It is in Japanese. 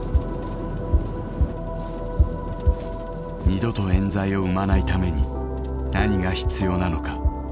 二度とえん罪を生まないために何が必要なのか。